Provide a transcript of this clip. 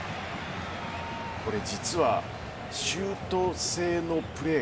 これ、実はシュート性のプレー